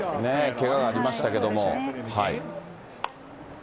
けががありましたけども。